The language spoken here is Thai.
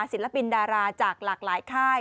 ศิลปินดาราจากหลากหลายค่าย